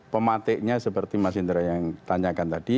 pematiknya seperti mas jenderal yang ditanyakan tadi